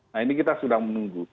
nah ini kita sudah menunggu